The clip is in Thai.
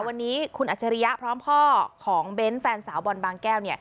วันนี้คุณอัจฉริยะพร้อมพ่อของเบ้นแฟนสาวบอลบางแก้ว